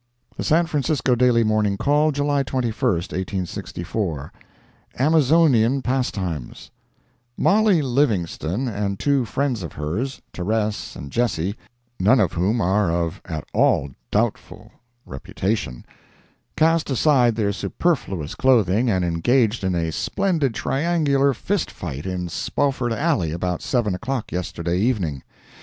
The San Francisco Daily Morning Call, July 21, 1864 AMAZONIAN PASTIMES Mollie Livingston and two friends of hers, Terese and Jessie, none of whom are of at all doubtful reputation, cast aside their superfluous clothing and engaged in a splendid triangular fist fight in Spofford Alley about seven o'clock yesterday evening.